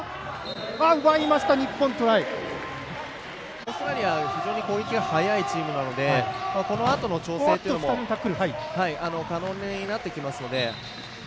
オーストラリア、非常に攻撃が早いチームなのでこのあとの調整というのも可能になってきますので。